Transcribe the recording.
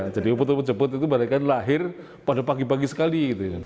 jadi uput uput jeput itu mereka lahir pada pagi pagi sekali